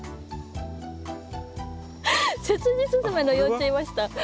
セスジスズメの幼虫いました。